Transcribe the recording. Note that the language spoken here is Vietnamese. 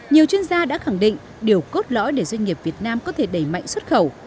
nhiều chuyên gia đã khẳng định điều cốt lõi để doanh nghiệp việt nam có thể đẩy mạnh xuất khẩu